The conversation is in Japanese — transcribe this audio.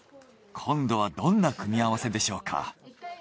今度はどんな組み合わせでしょうか？